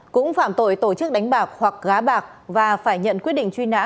cũng phạm tội tổ chức đánh bạc hoặc gá bạc và phải nhận quyết định truy nã